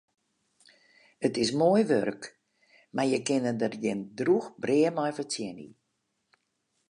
It is moai wurk, mar je kinne der gjin drûch brea mei fertsjinje.